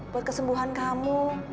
buat kesembuhan kamu